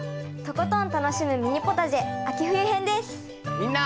みんな。